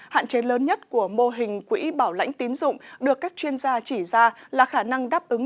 hạn chế lớn nhất của mô hình quỹ bảo lãnh tín dụng được các chuyên gia chỉ ra là khả năng đáp ứng